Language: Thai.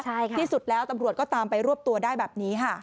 ใช่ค่ะที่สุดแล้วตำรวจก็ตามไปรวบตัวได้แบบนี้ค่ะ